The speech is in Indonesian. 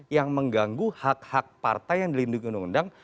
yang mengganggu hak hak partai yang dilindungi undang undang